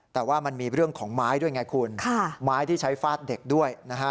แต่ว่ามันมีเรื่องของไม้ด้วยไงคุณไม้ที่ใช้ฟาดเด็กด้วยนะฮะ